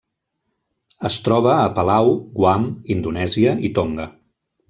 Es troba a Palau, Guam, Indonèsia i Tonga.